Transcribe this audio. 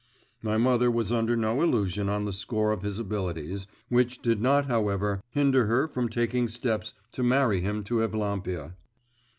My mother was under no illusion on the score of his abilities, which did not, however, hinder her from taking steps to marry him to Evlampia.